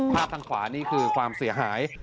ภาพทางขวานี่คือความเสียหาย